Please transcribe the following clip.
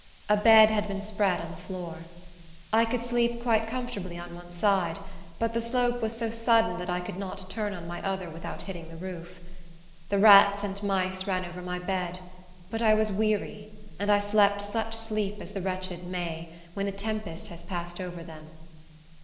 A bed had been spread on the floor. I could sleep quite comfortably on one side; but the slope was so sudden that I could not turn on my other without hitting the roof. The rats and mice ran over my bed; but I was weary, and I slept such sleep as the wretched may, when a tempest has passed over them.